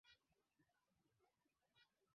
Ni Roho na mwili zilizoathirika.